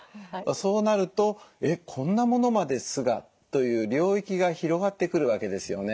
そうなると「えっこんなものまで酢が」という領域が広がってくるわけですよね。